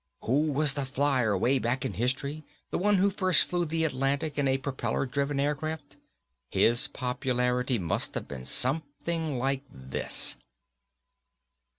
Who was the flyer, way back in history, the one who first flew the Atlantic in a propeller driven aircraft? His popularity must have been something like this.